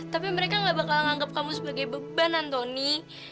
tapi mereka gak bakal nganggap kamu sebagai beban antoni